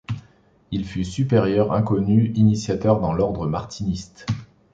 Il fut Supérieur Inconnu Initiateur dans l'Ordre martiniste.